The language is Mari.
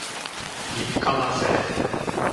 — Ит каласе.